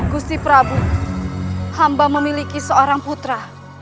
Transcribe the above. gusti prabu hamba memiliki seorang putra